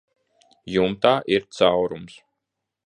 Jumtā ir caurums.